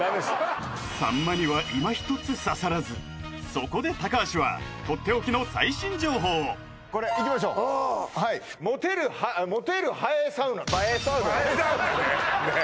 さんまにはいまひとつ刺さらずそこで高橋はとっておきの最新情報をこれいきましょうはいモテるモテる映えサウナ映えサウナねねえ